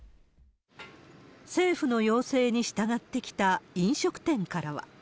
政府の要請に従ってきた飲食店からは。